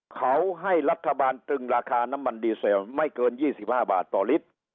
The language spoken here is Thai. เขาให้รัฐบาลตึงราคาน้ำมันดีเซลไม่เกิน๒๕บาทต่อลิตร